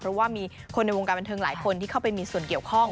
เพราะว่ามีคนในวงการบันเทิงหลายคนที่เข้าไปมีส่วนเกี่ยวข้อง